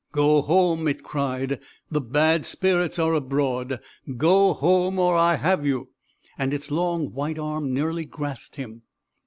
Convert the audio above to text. "Go home!" it cried, "the bad spirits are abroad go home! or I have you!" and its long white arm nearly grasped him.